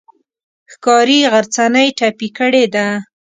ښکاري غرڅنۍ ټپي کړې ده.